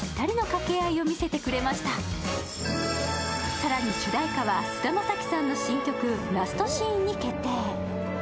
更に主題歌は菅田将暉さんの新曲「ラストシーン」に決定。